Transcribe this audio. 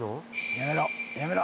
やめろやめろ。